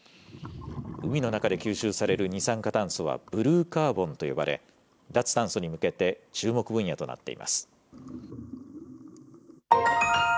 海の中で吸収される二酸化炭素はブルーカーボンと呼ばれ、脱炭素に向けて注目分野となっています。